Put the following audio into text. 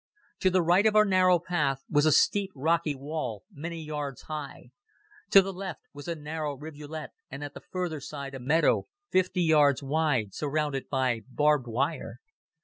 To the right of our narrow path was a steep rocky wall many yards high. To the left, was a narrow rivulet and at the further side a meadow, fifty yards wide, surrounded by barbed wire.